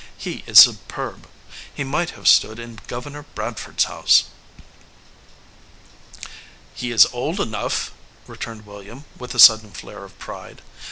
He is superb ! He might have stood in Governor Bradford s house." "He is old enough," returned William, with a sudden flare of pride.